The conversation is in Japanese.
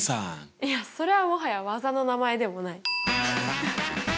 いやそれはもはや技の名前でもない。